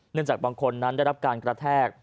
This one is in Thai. จากบางคนนั้นได้รับการกระแทก